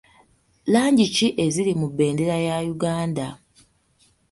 Langi ki eziri mu bendera ya Uganda?